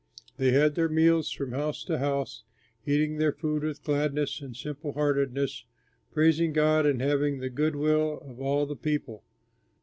They had their meals from house to house, eating their food with gladness and simple heartedness, praising God and having the good will of all the people.